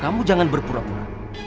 kamu jangan berpura pura